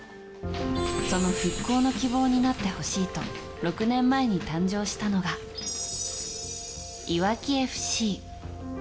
その復興の希望になってほしいと６年前に誕生したのがいわきＦＣ。